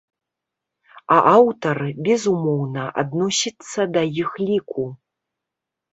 А аўтар, безумоўна, адносіцца да іх ліку.